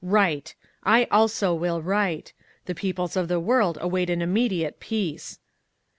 Write! I also will write! The peoples of the world await an immediate peace!